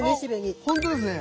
あっほんとですね。